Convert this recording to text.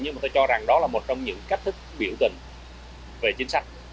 nhưng mà tôi cho rằng đó là một trong những cách thức biểu tình về chính sách